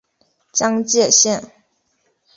江界线